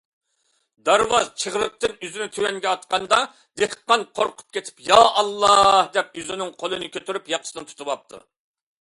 دارۋاز چىغرىقتىن ئۆزىنى تۆۋەنگە ئاتقاندا، دېھقان قورقۇپ كېتىپ« يائاللا» دەپ قولىنى كۆتۈرۈپ ياقىسىنى تۇتۇپتۇ.